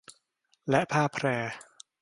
และผ้าแพร